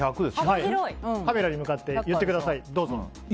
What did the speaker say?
カメラに向かって言ってください。